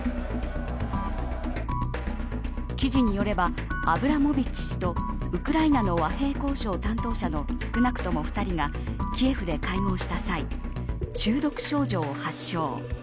記事によればアブラモビッチ氏とウクライナの和平交渉担当者の少なくとも２人がキエフで会合した際中毒症状を発症。